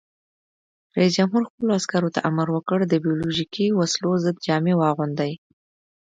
رئیس جمهور خپلو عسکرو ته امر وکړ؛ د بیولوژیکي وسلو ضد جامې واغوندئ!